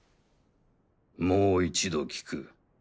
もう一度聞く。